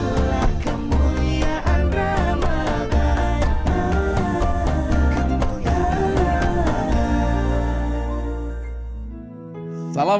itulah kemuliaan ramadhan